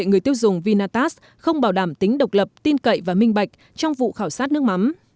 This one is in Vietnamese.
người tiêu dùng vinatax không bảo đảm tính độc lập tin cậy và minh bạch trong vụ khảo sát nước mắm